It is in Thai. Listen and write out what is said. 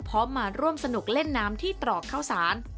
พร้อมมาร่วมสนุกเล่นน้ำที่ตรอกข้าวสาร